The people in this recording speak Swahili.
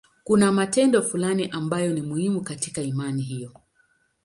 Kuna matendo fulani ambayo ni muhimu katika imani hiyo.